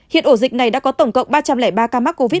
hiện ổ dịch này đã có tổng cộng ba trăm linh ba ca mắc covid một mươi